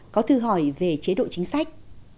có thư hỏi về chế độ chính sách